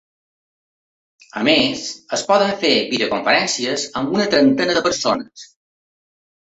A més, es poden fer videoconferències amb una trentena de persones.